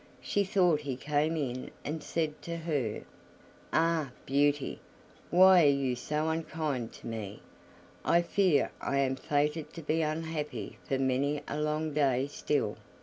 She thought he came and said to her: "Ah, Beauty! why are you so unkind to me? I fear I am fated to be unhappy for many a long day still."